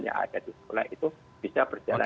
yang ada di sekolah itu bisa berjalan